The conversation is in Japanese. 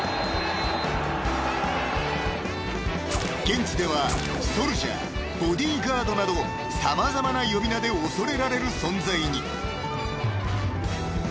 ［現地では「ソルジャー」「ボディガード」など様々な呼び名で恐れられる存在に］